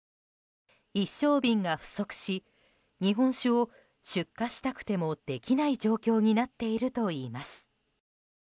一升瓶が不足し日本酒を出荷したくてもできない状況になっているといいます。